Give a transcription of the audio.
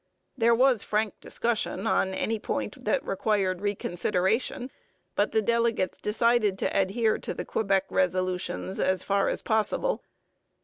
There was frank discussion on any point that required reconsideration, but the delegates decided to adhere to the Quebec resolutions as far as possible.